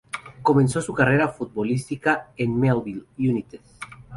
Comenzó su carrera futbolística en el Melville United.